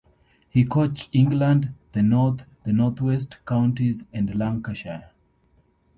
He coached England, The North, The North West Counties and Lancashire.